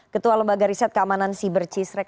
ketua lembaga riset keamanan cyber cisrec